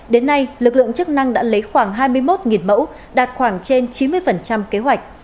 đến nay lực lượng chức năng đã lấy khoảng hai mươi một mẫu đạt khoảng trên chín mươi kế hoạch